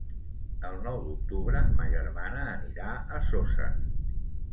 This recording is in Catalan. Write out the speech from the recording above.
El nou d'octubre ma germana anirà a Soses.